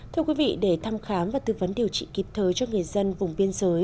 thưa quý vị để thăm khám và tư vấn điều trị kịp thời cho người dân vùng biên giới